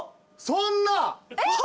そんな。